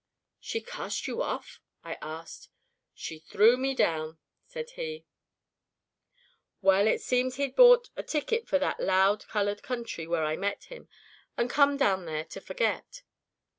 "'She cast you off?' I asked. "'She threw me down,' said he. "Well, it seems he'd bought a ticket for that loud colored country where I met him, and come down there to forget.